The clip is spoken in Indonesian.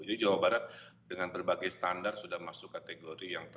jadi jawa barat dengan berbagai standar sudah masuk kategori yang penting